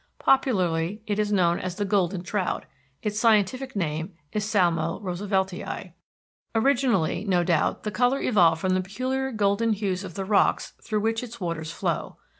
Popularly it is known as the golden trout; its scientific name is Salmo Rooseveltii. Originally, no doubt, the color evolved from the peculiar golden hues of the rocks through which its waters flow.